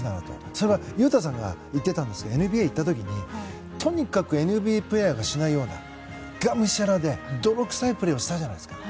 それは雄太さんが言っていたんですがＮＢＡに行った時にとにかくＮＢＡプレーヤーがしないようながむしゃらで泥臭いプレーをしたじゃないですか。